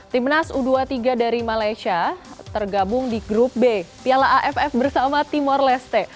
timnas u dua puluh tiga dari malaysia tergabung di grup b piala aff bersama timor leste